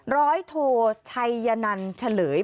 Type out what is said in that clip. ร้อยโทชัยยนันเฉลย